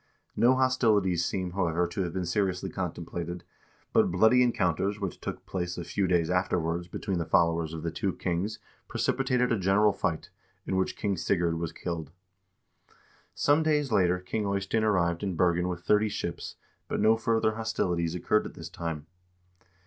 No hostilities seem, however, to have been seriously contemplated, but bloody encounters which took place a few days afterwards between the followers of the two kings pre cipitated a general fight, in which King Sigurd was killed. Some days later King Eystein arrived in Bergen with thirty ships, but no further hostilities occurred at this time.